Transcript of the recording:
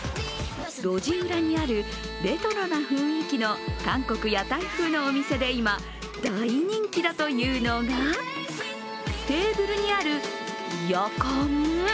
路地裏にあるレトロな雰囲気の韓国屋台風のお店で今、大人気だというのがテーブルにあるやかん？